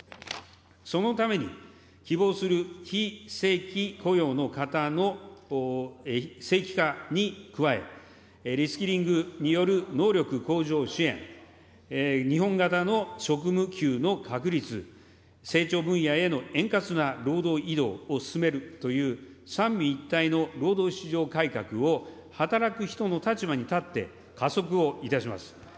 そのために、希望する非正規雇用の方の正規化に加え、リスキリングによる能力向上支援、日本型の職務給の確立、成長分野への円滑な労働移動を進めるという、三位一体の労働市場改革を、働く人の立場に立って、加速をいたします。